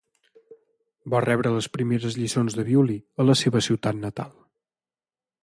Va rebre les primeres lliçons de violí a la seva ciutat natal.